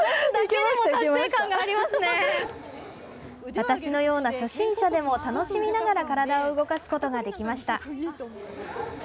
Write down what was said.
私のような初心者でも楽しみながら体を動かすことができました。